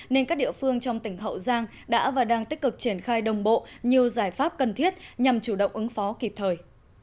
nên các địa phương trong tỉnh hậu giang đã và đang tích cực triển khai đồng bộ nhiều giải pháp cần thiết nhằm chủ động ứng phó kịp thời